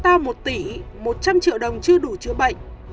tao một tỷ một trăm triệu đồng chưa đủ chữa bệnh